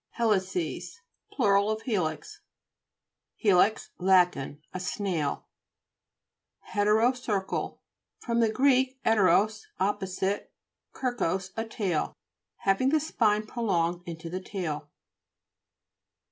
HE'LICES Plur. of helix. HE'LIX Lat. A snail. HE'TEROCERCAL fr. gr. 'eteros, op posite, kerkos, a tail. Having the spine prolonged into the tail (p.